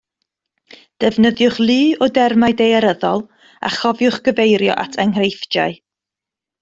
Defnyddiwch lu o dermau daearyddol a chofiwch gyfeirio at enghreifftiau